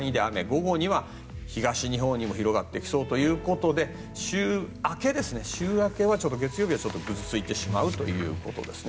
午後には東日本にも広がってきそうということで週明け、月曜日ぐずついてしまうということです。